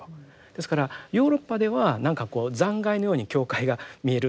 ですからヨーロッパでは何かこう残骸のように教会が見えるぐらいにですね